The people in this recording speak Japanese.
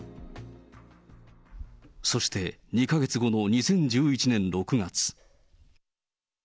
そして２か月後の２０１１年６月。